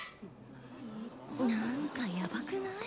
なんかやばくない？